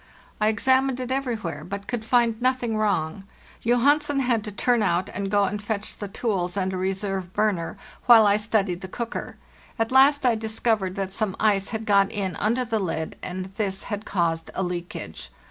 I examined it everywhere, but could find noth ing wrong. Johansen had to turn out and go and fetch the tools and a reserve burner while I studied the WE SAY GOOD BYE TO THE "FRAM" I wn. uw. cooker. At last I discovered that some ice had got in under the lid, and this had caused a leakage.